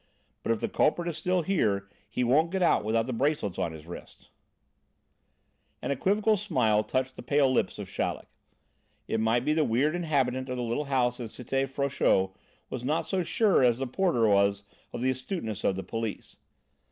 But if the culprit is still here, he won't get out without the bracelets on his wrists!" An equivocal smile touched the pale lips of Chaleck. It might be the weird inhabitant of the little house in Cité Frochot was not so sure as the porter was of the astuteness of the police.